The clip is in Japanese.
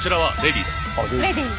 あレディー。